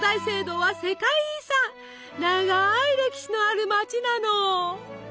長い歴史のある街なの！